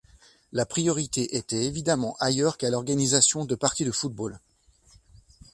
La priorité était évidemment ailleurs qu'à l'organisation de parties de football.